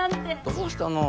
どうしたの？